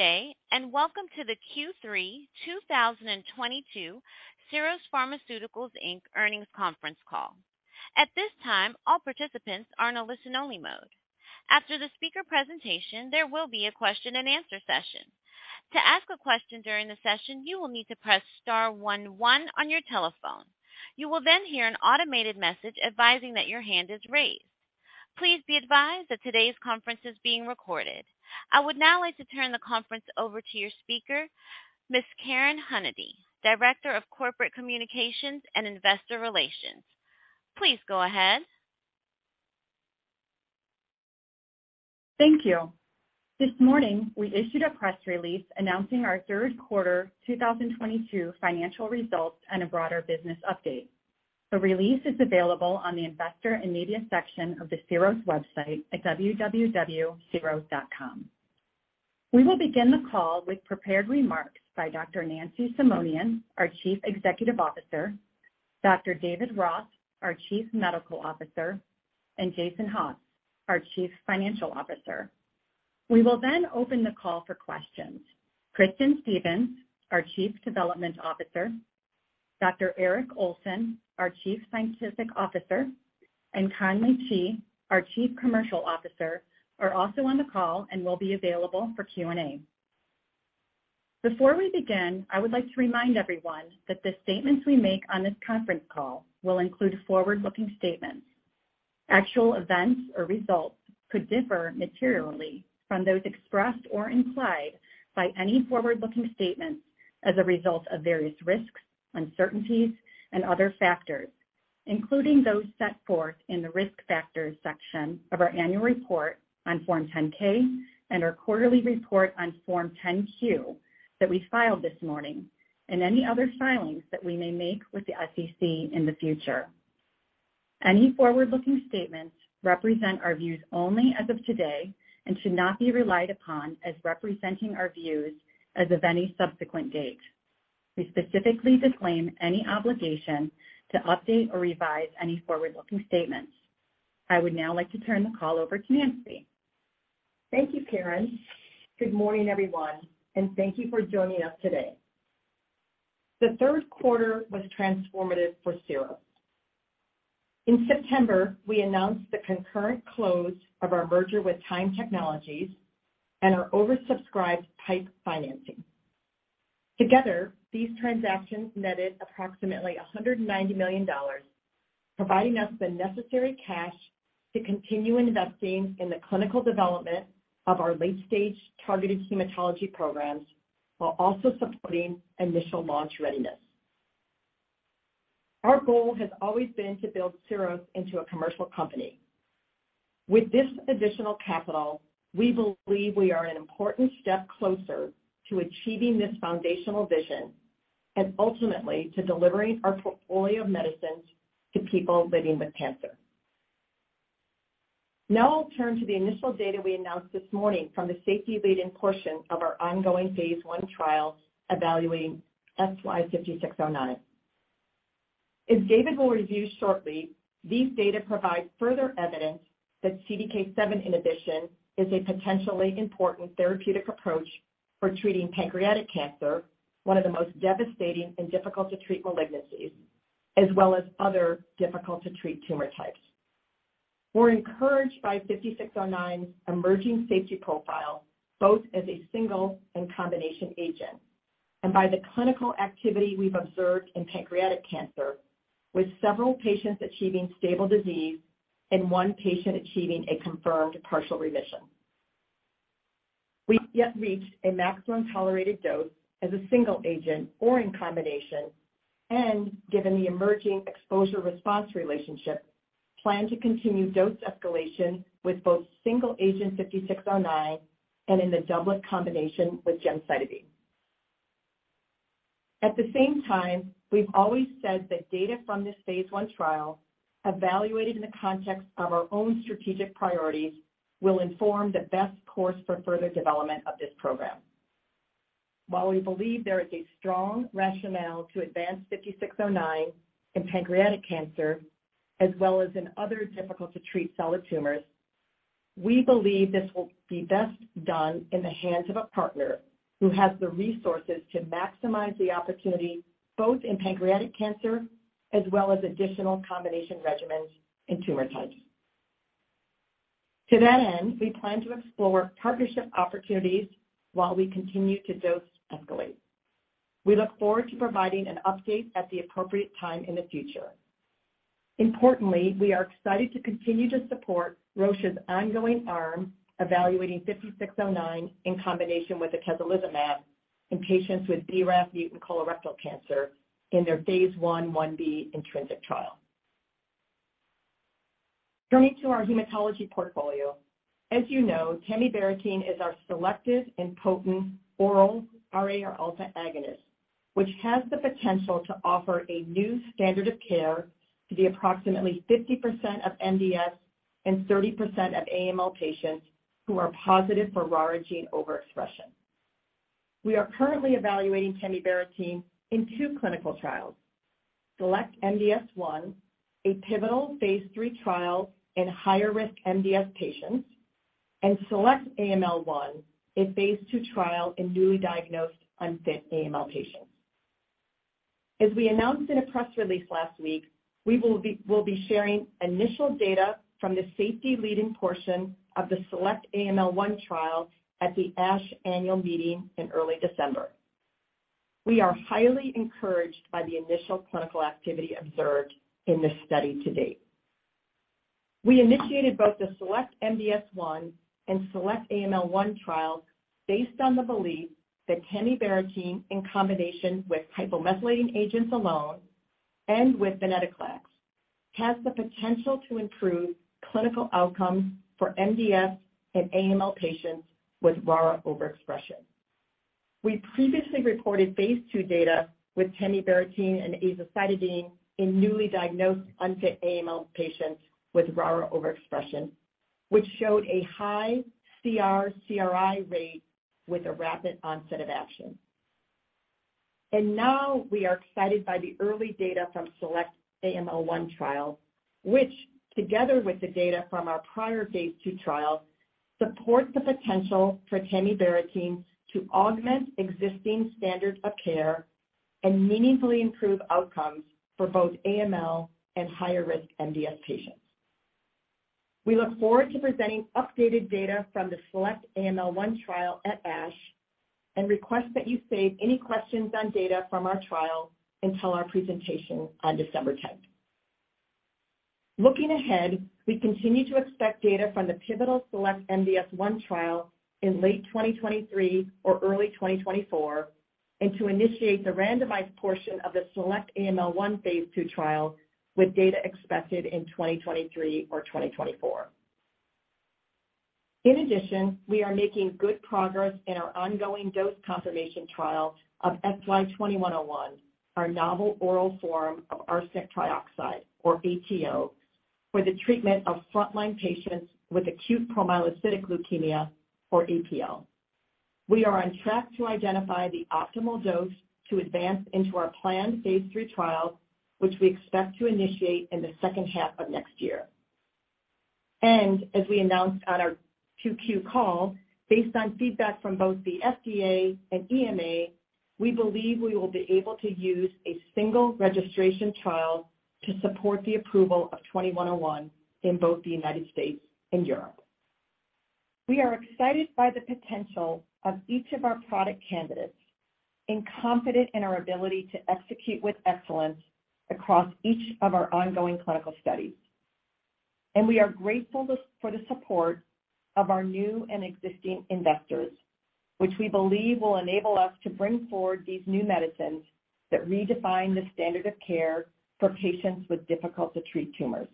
Good day, and welcome to the Q3 2022 Syros Pharmaceuticals, Inc. Earnings Conference Call. At this time, all participants are in a listen-only mode. After the speaker presentation, there will be a question-and-answer session. To ask a question during the session, you will need to press star one one on your telephone. You will then hear an automated message advising that your hand is raised. Please be advised that today's conference is being recorded. I would now like to turn the conference over to your speaker, Ms. Karen Hunady, Director of Corporate Communications and Investor Relations. Please go ahead. Thank you. This morning, we issued a press release announcing our third quarter 2022 financial results and a broader business update. The release is available on the Investor and Media section of the Syros' website at www.syros.com. We will begin the call with prepared remarks by Dr. Nancy Simonian, our Chief Executive Officer, Dr. David Roth, our Chief Medical Officer, and Jason Haas, our Chief Financial Officer. We will then open the call for questions. Kristin Stephens, our Chief Development Officer, Dr. Eric Olson, our Chief Scientific Officer, and Conley Chee, our Chief Commercial Officer, are also on the call and will be available for Q&A. Before we begin, I would like to remind everyone that the statements we make on this conference call will include forward-looking statements. Actual events or results could differ materially from those expressed or implied by any forward-looking statements as a result of various risks, uncertainties, and other factors, including those set forth in the Risk Factors section of our annual report on Form 10-K and our quarterly report on Form 10-Q that we filed this morning, and any other filings that we may make with the SEC in the future. Any forward-looking statements represent our views only as of today and should not be relied upon as representing our views as of any subsequent date. We specifically disclaim any obligation to update or revise any forward-looking statements. I would now like to turn the call over to Nancy. Thank you, Karen. Good morning, everyone, and thank you for joining us today. The third quarter was transformative for Syros. In September, we announced the concurrent close of our merger with TYME Technologies and our oversubscribed PIPE financing. Together, these transactions netted approximately $190 million, providing us the necessary cash to continue investing in the clinical development of our late-stage targeted hematology programs while also supporting initial launch readiness. Our goal has always been to build Syros into a commercial company. With this additional capital, we believe we are an important step closer to achieving this foundational vision and ultimately to delivering our portfolio of medicines to people living with cancer. Now I'll turn to the initial data we announced this morning from the safety lead-in portion of our ongoing phase I trial evaluating SY-5609. As David will review shortly, these data provide further evidence that CDK7 inhibition is a potentially important therapeutic approach for treating pancreatic cancer, one of the most devastating and difficult-to-treat malignancies, as well as other difficult to treat tumor types. We're encouraged by SY-5609's emerging safety profile, both as a single and combination agent, and by the clinical activity we've observed in pancreatic cancer, with several patients achieving stable disease and one patient achieving a confirmed partial remission. We have yet to reach a maximum tolerated dose as a single agent or in combination, and given the emerging exposure-response relationship, plan to continue dose escalation with both single agent SY-5609 and in the doublet combination with gemcitabine. At the same time, we've always said that data from this phase I trial, evaluated in the context of our own strategic priorities, will inform the best course for further development of this program. While we believe there is a strong rationale to advance SY-5609 in pancreatic cancer, as well as in other difficult to treat solid tumors, we believe this will be best done in the hands of a partner who has the resources to maximize the opportunity both in pancreatic cancer as well as additional combination regimens and tumor types. To that end, we plan to explore partnership opportunities while we continue to dose escalate. We look forward to providing an update at the appropriate time in the future. Importantly, we are excited to continue to support Roche's ongoing arm evaluating SY-5609 in combination with atezolizumab in patients with BRAF mutant colorectal cancer in their phase I/I-B INTRINSIC trial. Turning to our hematology portfolio, as you know, tamibarotene is our selective and potent oral RAR-alpha agonist, which has the potential to offer a new standard of care to the approximately 50% of MDS and 30% of AML patients who are positive for RARA gene overexpression. We are currently evaluating tamibarotene in two clinical trials. SELECT-MDS-1, a pivotal phase III trial in higher risk MDS patients, and SELECT-AML-1, a phase II trial in newly diagnosed unfit AML patients. As we announced in a press release last week, we will be sharing initial data from the safety lead-in portion of the SELECT-AML-1 trial at the ASH Annual Meeting in early December. We are highly encouraged by the initial clinical activity observed in this study to date. We initiated both the SELECT-MDS-1 and SELECT-AML-1 trials based on the belief that tamibarotene in combination with hypomethylating agents alone and with venetoclax has the potential to improve clinical outcomes for MDS and AML patients with RARA overexpression. We previously reported phase II data with tamibarotene and azacitidine in newly diagnosed unfit AML patients with RARA overexpression, which showed a high CR/CRi rate with a rapid onset of action. Now we are excited by the early data from SELECT-AML-1 trial, which together with the data from our prior phase II trial, supports the potential for tamibarotene to augment existing standard of care and meaningfully improve outcomes for both AML and higher-risk MDS patients. We look forward to presenting updated data from the SELECT-AML-1 trial at ASH and request that you save any questions on data from our trial until our presentation on December 10th. Looking ahead, we continue to expect data from the pivotal SELECT-MDS-1 trial in late 2023 or early 2024, and to initiate the randomized portion of the SELECT-AML-1 phase II trial with data expected in 2023 or 2024. In addition, we are making good progress in our ongoing dose confirmation trial of SY-2101, our novel oral form of arsenic trioxide, or ATO, for the treatment of frontline patients with acute promyelocytic leukemia, or APL. We are on track to identify the optimal dose to advance into our planned phase III trial, which we expect to initiate in the second half of next year. As we announced on our 2Q call, based on feedback from both the FDA and EMA, we believe we will be able to use a single registration trial to support the approval of SY-2101 in both the United States and Europe. We are excited by the potential of each of our product candidates and confident in our ability to execute with excellence across each of our ongoing clinical studies. We are grateful for the support of our new and existing investors, which we believe will enable us to bring forward these new medicines that redefine the standard of care for patients with difficult to treat tumors.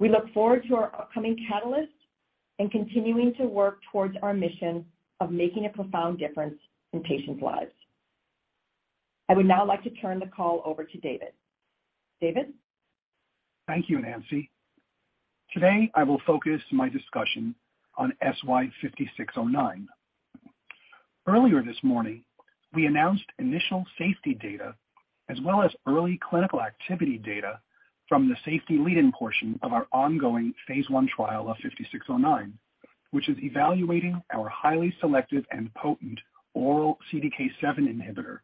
We look forward to our upcoming catalysts and continuing to work towards our mission of making a profound difference in patients' lives. I would now like to turn the call over to David. David? Thank you, Nancy. Today, I will focus my discussion on SY-5609. Earlier this morning, we announced initial safety data as well as early clinical activity data from the safety lead-in portion of our ongoing phase I trial of SY-5609, which is evaluating our highly selective and potent oral CDK7 inhibitor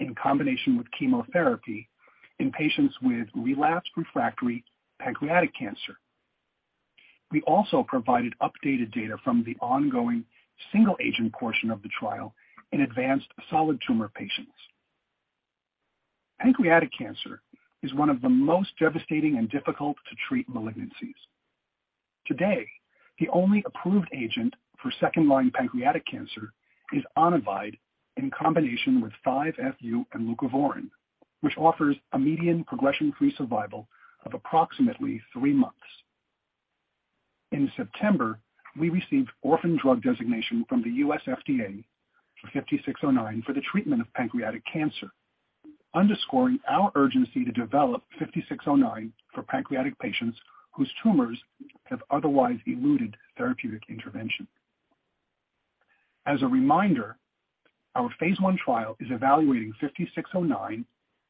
in combination with chemotherapy in patients with relapsed refractory pancreatic cancer. We also provided updated data from the ongoing single-agent portion of the trial in advanced solid tumor patients. Pancreatic cancer is one of the most devastating and difficult to treat malignancies. Today, the only approved agent for second-line pancreatic cancer is ONIVYDE in combination with 5-FU and leucovorin, which offers a median progression-free survival of approximately three months. In September, we received Orphan Drug Designation from the U.S. FDA for SY-5609 for the treatment of pancreatic cancer, underscoring our urgency to develop SY-5609 for pancreatic patients whose tumors have otherwise eluded therapeutic intervention. As a reminder, our phase I trial is evaluating SY-SY-5609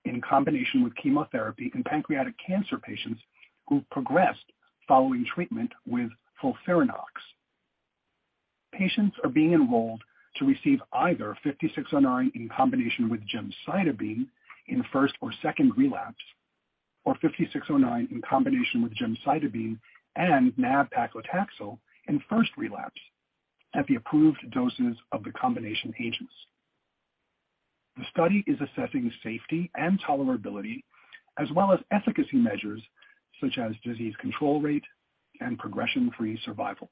in combination with chemotherapy in pancreatic cancer patients who progressed following treatment with FOLFIRINOX. Patients are being enrolled to receive either SY-5609 in combination with gemcitabine in first or second relapse, or SY-5609 in combination with gemcitabine and nab-paclitaxel in first relapse at the approved doses of the combination agents. The study is assessing safety and tolerability as well as efficacy measures such as disease control rate and progression-free survival.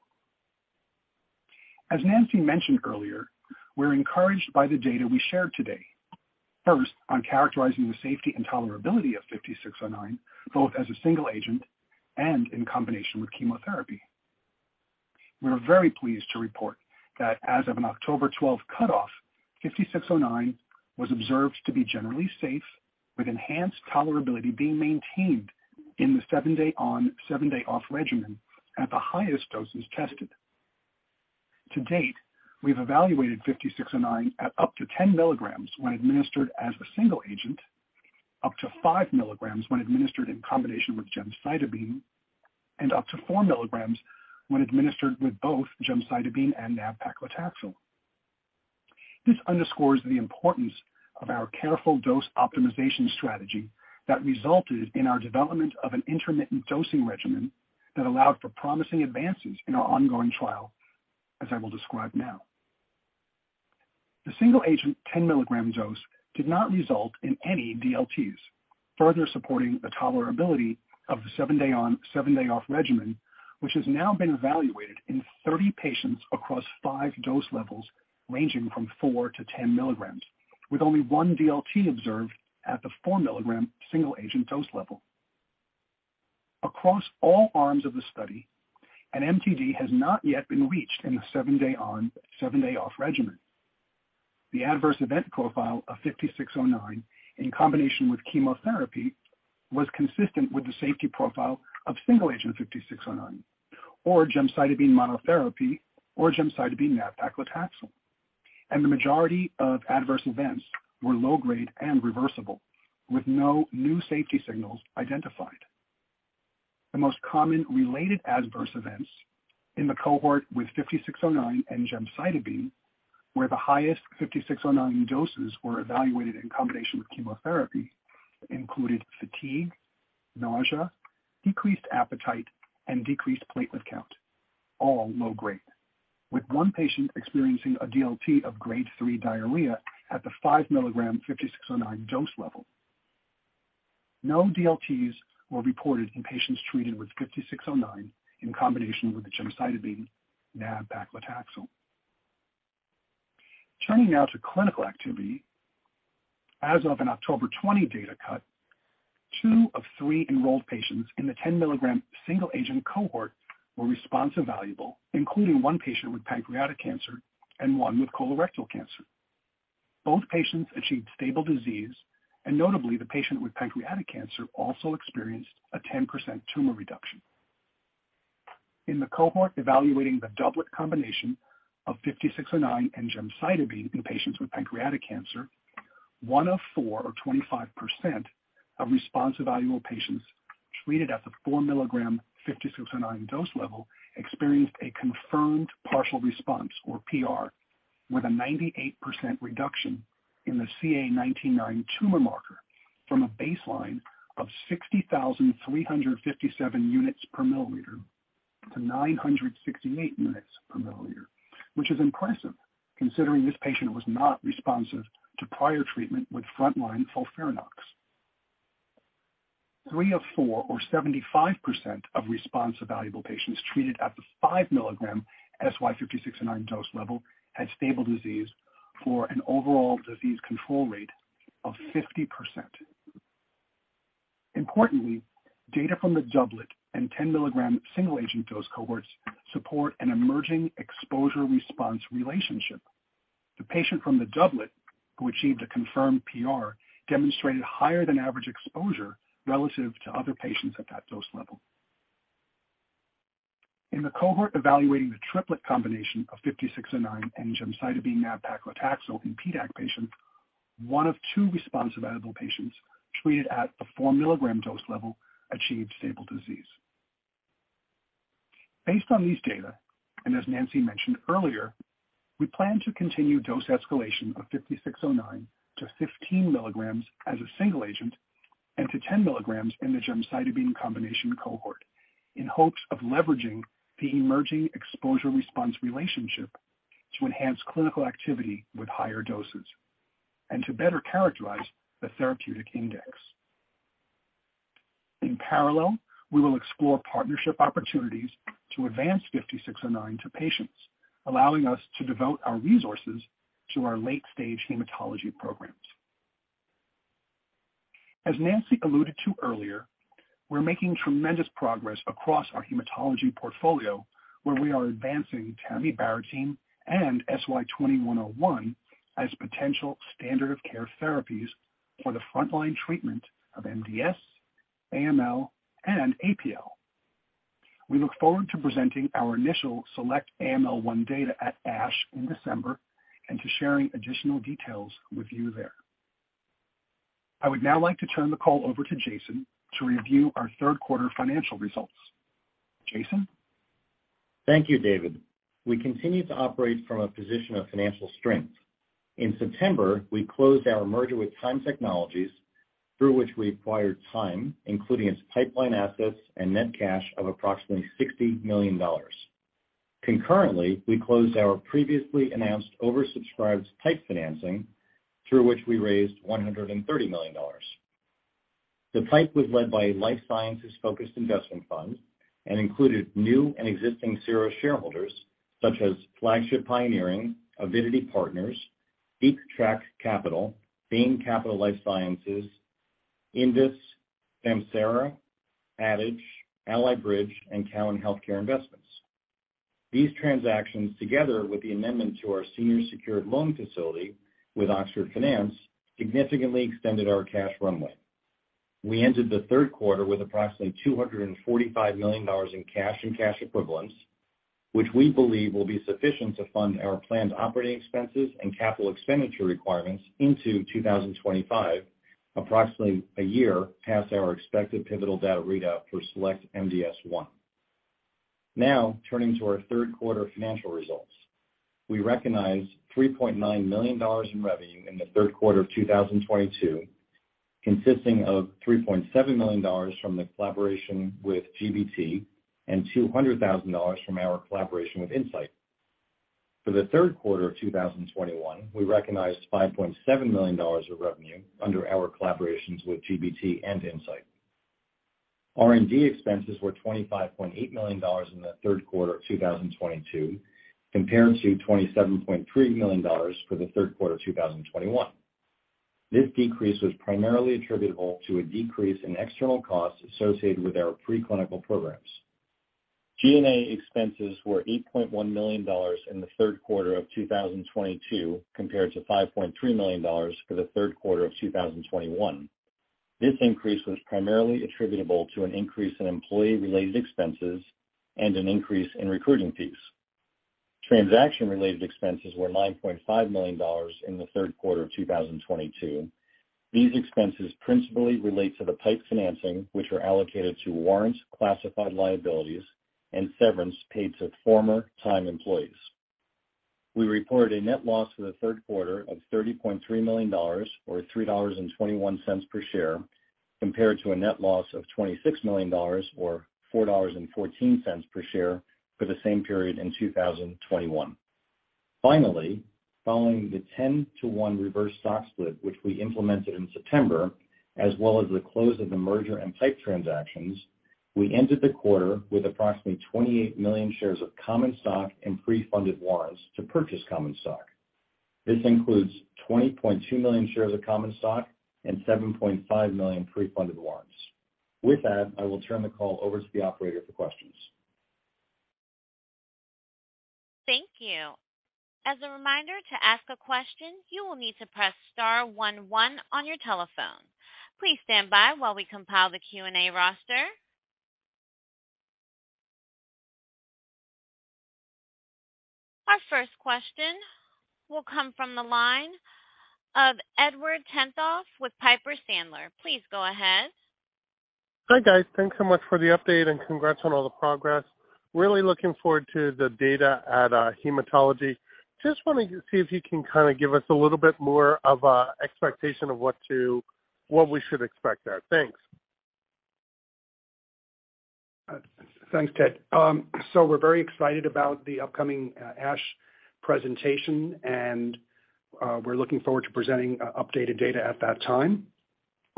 As Nancy mentioned earlier, we're encouraged by the data we share today. First, on characterizing the safety and tolerability of SY-5609, both as a single agent and in combination with chemotherapy. We are very pleased to report that as of an October 12 cutoff, SY-5609 was observed to be generally safe with enhanced tolerability being maintained in the seven-day on/seven-day off regimen at the highest doses tested. To date, we've evaluated SY-5609 at up to 10 mg when administered as a single agent, up to 5 mg when administered in combination with gemcitabine, and up to 4 mg when administered with both gemcitabine and nab-paclitaxel. This underscores the importance of our careful dose optimization strategy that resulted in our development of an intermittent dosing regimen that allowed for promising advances in our ongoing trial, as I will describe now. The single agent 10-mg dose did not result in any DLTs, further supporting the tolerability of the seven-day on/seven-day off regimen, which has now been evaluated in 30 patients across five dose levels ranging from 4 mg-10 mg, with only one DLT observed at the 4-mg single agent dose level. Across all arms of the study, an MTD has not yet been reached in the seven-day on/seven-day off regimen. The adverse event profile of SY-5609 in combination with chemotherapy was consistent with the safety profile of single agent SY-5609 or gemcitabine monotherapy or gemcitabine nab-paclitaxel. The majority of adverse events were low-grade and reversible, with no new safety signals identified. The most common related adverse events in the cohort with SY-5609 and gemcitabine, where the highest SY-5609 doses were evaluated in combination with chemotherapy, included fatigue, nausea, decreased appetite, and decreased platelet count, all low-grade, with one patient experiencing a DLT of grade three diarrhea at the 5 mg SY-5609 dose level. No DLTs were reported in patients treated with SY-5609 in combination with the gemcitabine nab-paclitaxel. Turning now to clinical activity. As of an October 20 data cut, two of three enrolled patients in the 10 mg single agent cohort were evaluable, including one patient with pancreatic cancer and one with colorectal cancer. Both patients achieved stable disease, and notably, the patient with pancreatic cancer also experienced a 10% tumor reduction. In the cohort evaluating the doublet combination of SY-5609 and gemcitabine in patients with pancreatic cancer, one of four or 25% of responsive evaluable patients treated at the 4-mg SY-5609 dose level experienced a confirmed partial response or PR with a 98% reduction in the CA 19-9 tumor marker from a baseline of 60,357 units per milliliter to 968 units per milliliter, which is impressive considering this patient was not responsive to prior treatment with frontline FOLFIRINOX. Three of four or 75% of responsive evaluable patients treated at the 5-mg SY-5609 dose level had stable disease for an overall disease control rate of 50%. Importantly, data from the doublet and 10-mg single agent dose cohorts support an emerging exposure-response relationship. The patient from the doublet who achieved a confirmed PR demonstrated higher than average exposure relative to other patients at that dose level. In the cohort evaluating the triplet combination of SY-5609 and gemcitabine nab-paclitaxel in PDAC patients, one of two responsive evaluable patients treated at the 4-mg dose level achieved stable disease. Based on these data, and as Nancy mentioned earlier, we plan to continue dose escalation of SY-5609 to 15 mg as a single agent and to 10 mg in the gemcitabine combination cohort in hopes of leveraging the emerging exposure-response relationship to enhance clinical activity with higher doses and to better characterize the therapeutic index. In parallel, we will explore partnership opportunities to advance SY-5609 to patients, allowing us to devote our resources to our late-stage hematology programs. As Nancy alluded to earlier, we're making tremendous progress across our hematology portfolio, where we are advancing tamibarotene and SY-2101 as potential standard of care therapies for the frontline treatment of MDS, AML, and APL. We look forward to presenting our initial SELECT-AML-1 data at ASH in December and to sharing additional details with you there. I would now like to turn the call over to Jason to review our third quarter financial results. Jason? Thank you, David. We continue to operate from a position of financial strength. In September, we closed our merger with TYME Technologies, through which we acquired TYME, including its pipeline assets and net cash of approximately $60 million. Concurrently, we closed our previously announced oversubscribed PIPE financing, through which we raised $130 million. The PIPE was led by life sciences-focused investment funds and included new and existing Syros shareholders such as Flagship Pioneering, Avidity Partners, Deep Track Capital, Bain Capital Life Sciences, Invus, Samsara, Adage, Ally Bridge, and Cowen Healthcare Investments. These transactions, together with the amendment to our senior secured loan facility with Oxford Finance, significantly extended our cash runway. We ended the third quarter with approximately $245 million in cash and cash equivalents, which we believe will be sufficient to fund our planned operating expenses and capital expenditure requirements into 2025, approximately a year past our expected pivotal data readout for SELECT-MDS-1. Now, turning to our third quarter financial results. We recognized $3.9 million in revenue in the third quarter of 2022, consisting of $3.7 million from the collaboration with GBT and $200,000 from our collaboration with Incyte. For the third quarter of 2021, we recognized $5.7 million of revenue under our collaborations with GBT and Incyte. R&D expenses were $25.8 million in the third quarter of 2022, compared to $27.3 million for the third quarter of 2021. This decrease was primarily attributable to a decrease in external costs associated with our preclinical programs. G&A expenses were $8.1 million in the third quarter of 2022 compared to $5.3 million for the third quarter of 2021. This increase was primarily attributable to an increase in employee-related expenses and an increase in recruiting fees. Transaction-related expenses were $9.5 million in the third quarter of 2022. These expenses principally relate to the PIPE financing, which are allocated to warrants, classified liabilities, and severance paid to former TYME employees. We reported a net loss for the third quarter of $30.3 million, or $3.21 per share, compared to a net loss of $26 million or $4.14 per share for the same period in 2021. Finally, following the 10/1 reverse stock split, which we implemented in September, as well as the close of the merger and PIPE transactions, we ended the quarter with approximately 28 million shares of common stock and pre-funded warrants to purchase common stock. This includes 20.2 million shares of common stock and 7.5 million pre-funded warrants. With that, I will turn the call over to the operator for questions. Thank you. As a reminder, to ask a question, you will need to press star one one on your telephone. Please stand by while we compile the Q&A roster. Our first question will come from the line of Edward Tenthoff with Piper Sandler. Please go ahead. Hi, guys. Thanks so much for the update and congrats on all the progress. Really looking forward to the data at hematology. Just wanted to see if you can kind of give us a little bit more of a expectation of what we should expect there. Thanks. Thanks, Ted. So we're very excited about the upcoming ASH presentation, and we're looking forward to presenting updated data at that time.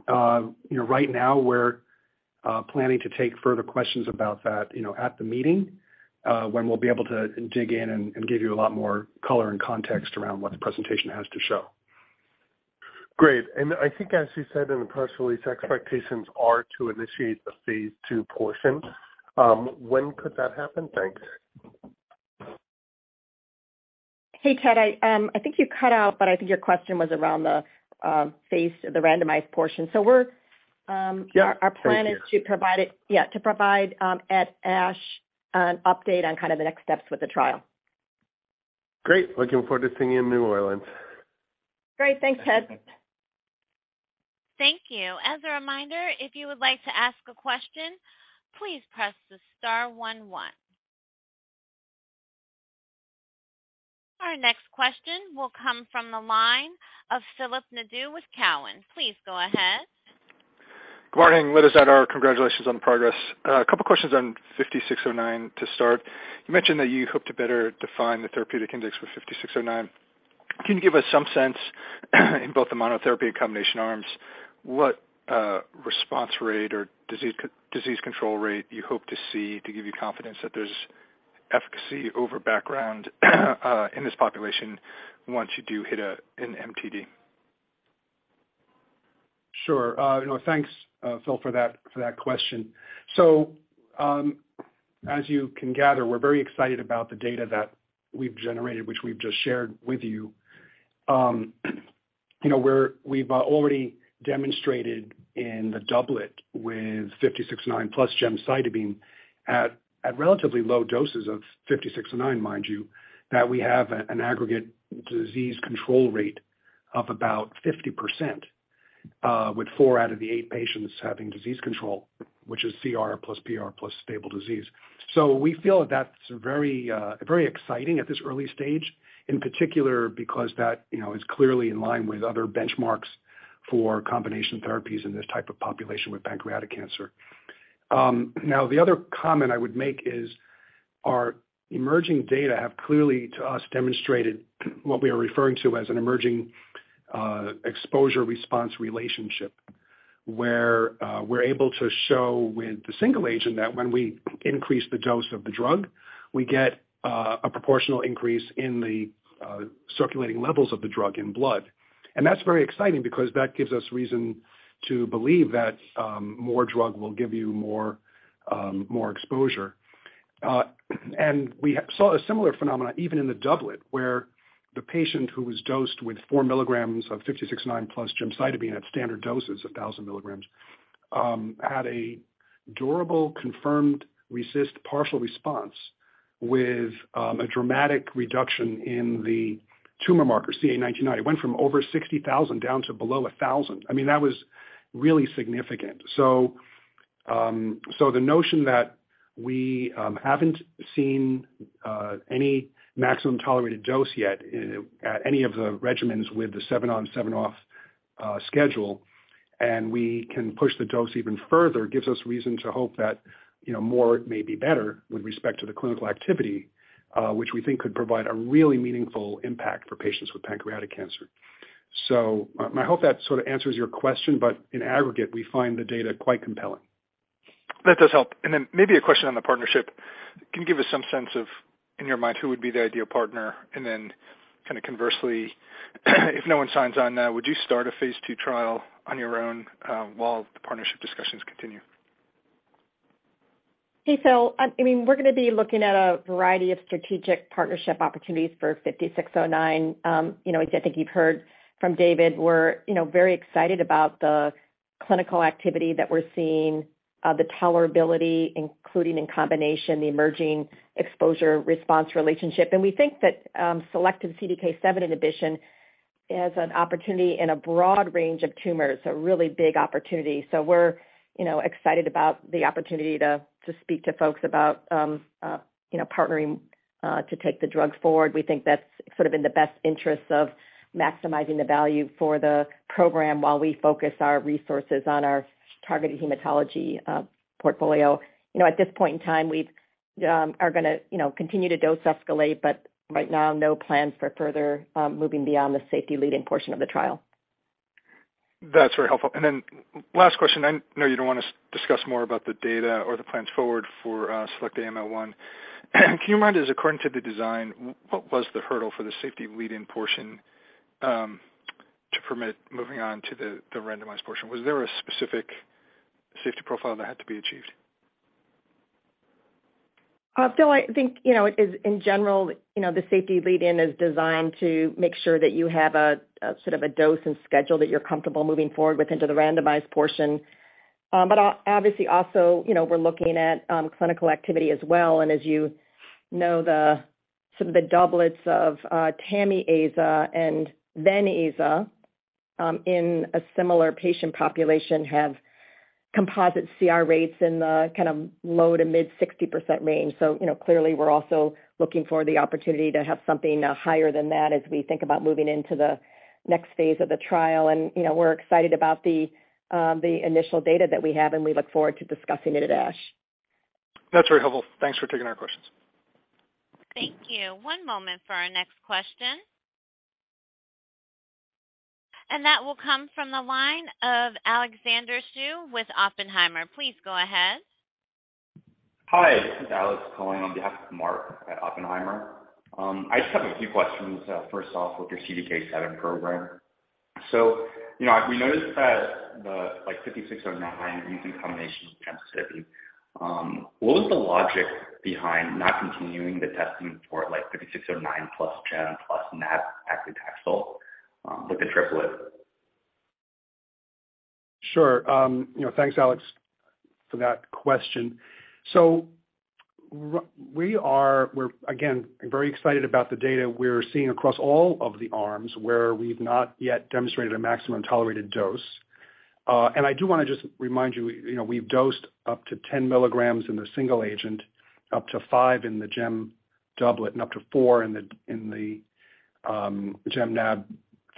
You know, right now, we're planning to take further questions about that, you know, at the meeting, when we'll be able to dig in and give you a lot more color and context around what the presentation has to show. Great. I think as you said in the press release, expectations are to initiate the phase II portion. When could that happen? Thanks. Hey, Ted. I think you cut out, but I think your question was around the randomized portion. We're Yeah. Thank you. Our plan is to provide at ASH an update on kind of the next steps with the trial. Great. Looking forward to seeing you in New Orleans. Great. Thanks, Ted. Thank you. As a reminder, if you would like to ask a question, please press the star one one. Our next question will come from the line of Philip Nadeau with Cowen. Please go ahead. Good morning. Let us add our congratulations on the progress. A couple questions on SY-5609 to start. You mentioned that you hope to better define the therapeutic index for SY-5609. Can you give us some sense in both the monotherapy and combination arms, what response rate or disease control rate you hope to see to give you confidence that there's efficacy over background in this population once you do hit an MTD? Sure. You know, thanks, Phil, for that question. As you can gather, we're very excited about the data that we've generated, which we've just shared with you. You know, we've already demonstrated in the doublet with SY-5609+gemcitabine at relatively low doses of SY-5609, mind you, that we have an aggregate disease control rate of about 50%, with four out of the eight patients having disease control, which is CR plus PR plus stable disease. We feel that that's very exciting at this early stage, in particular because that, you know, is clearly in line with other benchmarks for combination therapies in this type of population with pancreatic cancer. Now, the other comment I would make is our emerging data have clearly, to us, demonstrated what we are referring to as an emerging exposure-response relationship, where we're able to show with the single agent that when we increase the dose of the drug, we get a proportional increase in the circulating levels of the drug in blood. That's very exciting because that gives us reason to believe that more drug will give you more exposure. We saw a similar phenomenon even in the doublet, where the patient who was dosed with 4 mg of SY-5609+gemcitabine at standard doses of 1,000 mg had a durable confirmed RECIST partial response with a dramatic reduction in the tumor marker CA 19-9. It went from over 60,000 down to below 1,000. I mean, that was really significant. The notion that we haven't seen any maximum tolerated dose yet in at any of the regimens with the seven on/seven off schedule, and we can push the dose even further, gives us reason to hope that, you know, more may be better with respect to the clinical activity, which we think could provide a really meaningful impact for patients with pancreatic cancer. I hope that sort of answers your question, but in aggregate, we find the data quite compelling. That does help. Then maybe a question on the partnership. Can you give us some sense of, in your mind, who would be the ideal partner? Then kinda conversely, if no one signs on, would you start a phase II trial on your own, while the partnership discussions continue? Hey, Phil, I mean, we're gonna be looking at a variety of strategic partnership opportunities for SY-5609. You know, I think you've heard from David, we're you know very excited about the clinical activity that we're seeing, the tolerability, including in combination, the emerging exposure-response relationship. We think that selective CDK7 inhibition is an opportunity in a broad range of tumors, a really big opportunity. We're you know excited about the opportunity to speak to folks about you know partnering to take the drugs forward. We think that's sort of in the best interest of maximizing the value for the program while we focus our resources on our targeted hematology portfolio. You know, at this point in time, we are gonna continue to dose escalate, but right now, no plans for further moving beyond the safety leading portion of the trial. That's very helpful. Last question, I know you don't wanna discuss more about the data or the plans forward for SELECT-AML-1. Do you mind, just according to the design, what was the hurdle for the safety lead-in portion to permit moving on to the randomized portion? Was there a specific safety profile that had to be achieved? Phil, I think, you know, it is in general, you know, the safety lead-in is designed to make sure that you have a sort of dose and schedule that you're comfortable moving forward with into the randomized portion. Obviously also, you know, we're looking at clinical activity as well. As you know, the sort of doublets of Tami-Aza and then Vene-Aza in a similar patient population have composite CR rates in the kind of low- to mid-60% range. You know, clearly we're also looking for the opportunity to have something higher than that as we think about moving into the next phase of the trial. You know, we're excited about the initial data that we have, and we look forward to discussing it at ASH. That's very helpful. Thanks for taking our questions. Thank you. One moment for our next question. That will come from the line of Alexander Xu with Oppenheimer. Please go ahead. Hi, this is Alex calling on behalf of Mark at Oppenheimer. I just have a few questions. First off, with your CDK7 program. You know, we noticed that the like SY-5609 used in combination with gemcitabine, what was the logic behind not continuing the testing for it like SY-5609+gem+nab-paclitaxel, with the triplet? Sure. You know, thanks Alex for that question. We're again very excited about the data we're seeing across all of the arms where we've not yet demonstrated a maximum tolerated dose. I do wanna just remind you know, we've dosed up to 10 mg in the single agent, up to 5 mg in the gem doublet, and up to 4 mg in the gem nab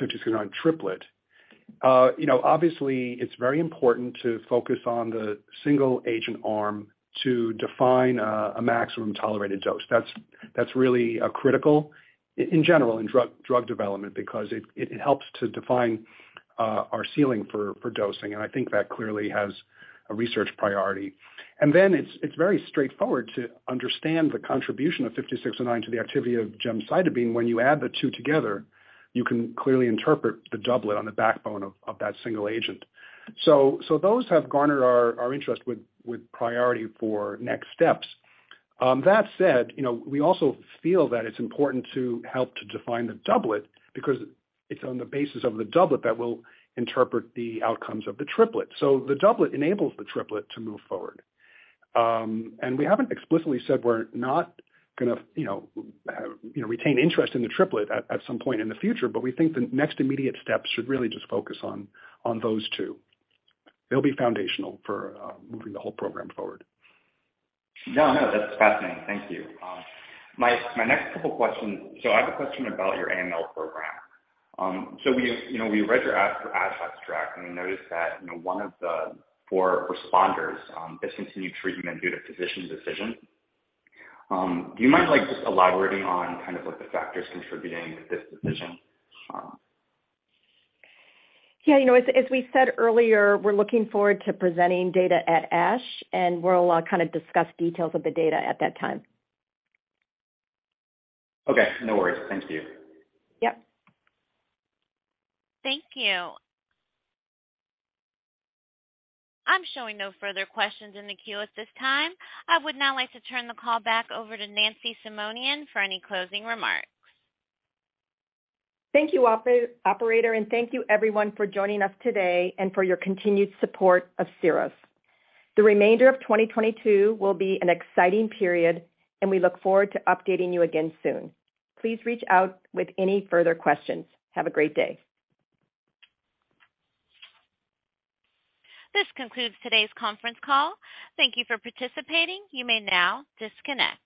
SY-5609 triplet. You know, obviously, it's very important to focus on the single agent arm to define a maximum tolerated dose. That's really critical in general in drug development because it helps to define our ceiling for dosing, and I think that clearly has a research priority. It's very straightforward to understand the contribution of SY-5609 to the activity of gemcitabine. When you add the two together, you can clearly interpret the doublet on the backbone of that single agent. Those have garnered our interest with priority for next steps. That said, you know, we also feel that it's important to help define the doublet because it's on the basis of the doublet that we'll interpret the outcomes of the triplet. The doublet enables the triplet to move forward. We haven't explicitly said we're not gonna, you know, retain interest in the triplet at some point in the future, but we think the next immediate steps should really just focus on those two. They'll be foundational for moving the whole program forward. No, no, that's fascinating. Thank you. My next couple questions. I have a question about your AML program. We read your ASH abstract, and we noticed that one of the four responders discontinued treatment due to physician decision. Do you mind like just elaborating on kind of like the factors contributing to this decision? Yeah, you know, as we said earlier, we're looking forward to presenting data at ASH, and we'll kinda discuss details of the data at that time. Okay, no worries. Thank you. Yep. Thank you. I'm showing no further questions in the queue at this time. I would now like to turn the call back over to Nancy Simonian for any closing remarks. Thank you, operator, and thank you everyone for joining us today and for your continued support of Syros. The remainder of 2022 will be an exciting period, and we look forward to updating you again soon. Please reach out with any further questions. Have a great day. This concludes today's conference call. Thank you for participating. You may now disconnect.